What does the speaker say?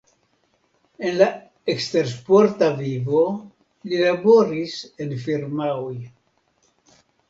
En la ekstersporta vivo li laboris en firmaoj.